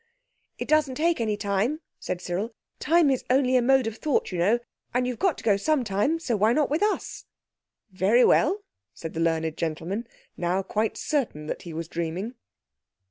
"It doesn't take any time," said Cyril; "time is only a mode of thought, you know, and you've got to go some time, so why not with us?" "Very well," said the learned gentleman, now quite certain that he was dreaming.